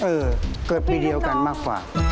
เออเกิดปีเดียวกันมากกว่า